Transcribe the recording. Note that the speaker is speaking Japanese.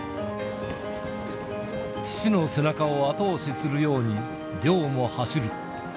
父の背中を後押しするように、凌央も走る。